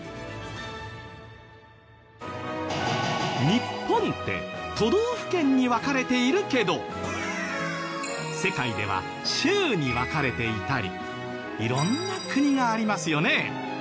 日本って都道府県に分かれているけど世界では州に分かれていたり色んな国がありますよね。